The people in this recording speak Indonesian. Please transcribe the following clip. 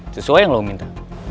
sesuai yang lo minta